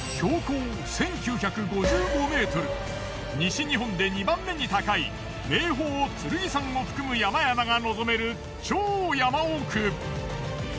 西日本で２番目に高い名峰剣山を含む山々が望める超山奥。